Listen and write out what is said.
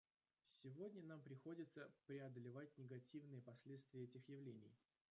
Сегодня нам приходится преодолевать негативные последствия этих явлений.